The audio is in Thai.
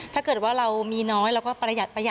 ถ้าเกิดว่าเรามีน้อยเราก็ประหยัดประหั